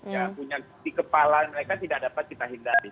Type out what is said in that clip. ya punya di kepala mereka tidak dapat kita hindari